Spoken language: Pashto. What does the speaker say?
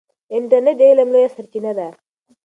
انټرنیټ د علم لویه سرچینه ده.